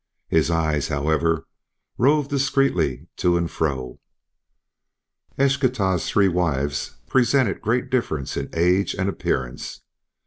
His eyes, however, roved discreetly to and fro. Eschtah's three wives presented great differences in age and appearance.